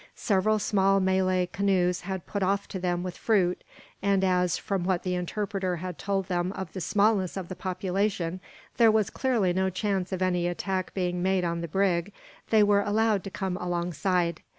Several small Malay canoes had put off to them with fruit; and as, from what the interpreter had told them of the smallness of the population, there was clearly no chance of any attack being made on the brig, they were allowed to come alongside.